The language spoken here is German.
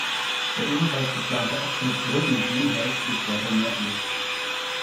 Der ebenfalls geplante Abschnitt Brüggen-Genholt liegt weiter nördlich.